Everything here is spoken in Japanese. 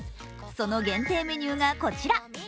その限定メニューがこちら。